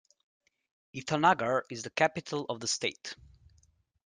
Itanagar is the capital of the state.